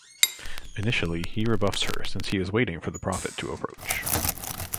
Initially, he rebuffs her since he is waiting for the prophet to approach.